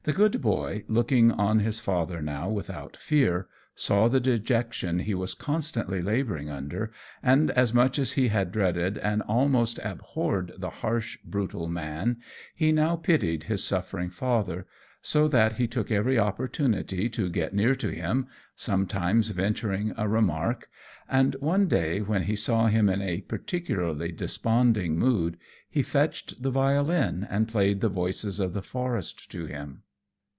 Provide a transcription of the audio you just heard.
The good boy, looking on his father now without fear, saw the dejection he was constantly labouring under, and, as much as he had dreaded and almost abhorred the harsh brutal man, he now pitied his suffering father, so that he took every opportunity to get near to him, sometimes venturing a remark; and one day, when he saw him in a particularly desponding mood, he fetched the violin and played the voices of the forest to him.